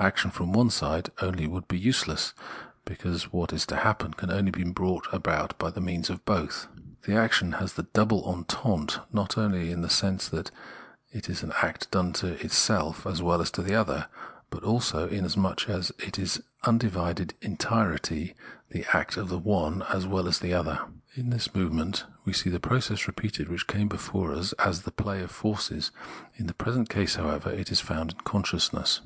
Action from one side only would be useless, because what is to happen can only be brought about by means of both. The action has then a double entente not only in the sense that it is an act done to itself as well as to the other, but also inasmuch as it is in its undivided entirety the act of the one as well as of the other. In this movement we see the process repeated which came before us as the play of forces ; in the present case, however, it is found in consciousness.